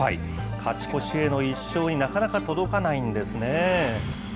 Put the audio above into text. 勝ち越しへの１勝になかなか届かないんですね。